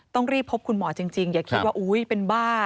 ต้องรีบพบคุณหมอจริงอย่าคิดว่าอุ๊ยเป็นบ้า